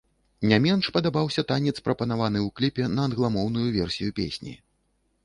Не менш падабаўся танец, прапанаваны ў кліпе на англамоўную версію песні.